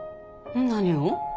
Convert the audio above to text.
何を？